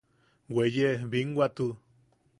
Weye binwatu.